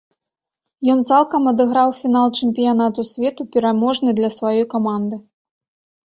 Ён цалкам адыграў фінал чэмпіяната свету, пераможны для сваёй каманды.